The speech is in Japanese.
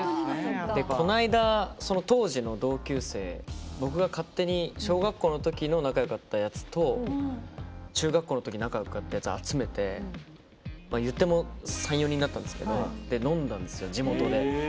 この間、当時の同級生僕が勝手に小学校の時の仲よかったやつと、中学校のとき仲よかったやつ集めて、いっても３４人だったんですけど飲んだんですよ、地元で。